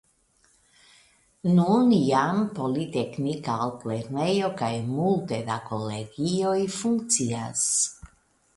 Nun jam politeknika altlernejo kaj multe da kolegioj funkcias.